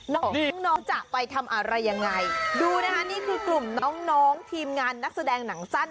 น้องน้องจะไปทำอะไรยังไงดูนะคะนี่คือกลุ่มน้องน้องทีมงานนักแสดงหนังสั้น